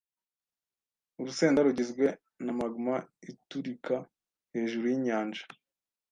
Urusenda rugizwe na magma iturika hejuru yinyanja